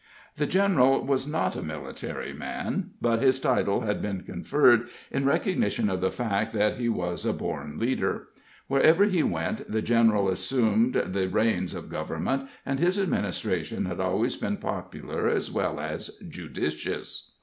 The general was not a military man, but his title had been conferred in recognition of the fact that he was a born leader. Wherever he went the general assumed the reins of government, and his administration had always been popular as well as judicious.